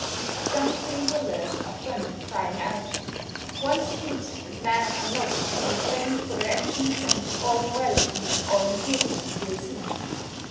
Some Free Willers are fond of crying out: "Once admit that men are not to be blamed for their actions, and all morality and all improvement will cease."